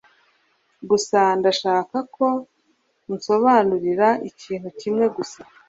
gusa ndashaka ko unsobanurira ikintu kimwe gusa